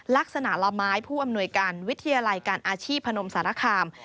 ลักษณะละไม้ผู้อำนวยการวิทยาลัยการอาชีพพนมสารคาม